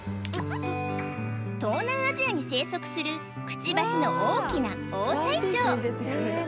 東南アジアに生息するくちばしの大きなオオサイチョウ